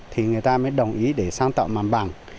thì người ta mới đồng ý để sáng tạo mặt bằng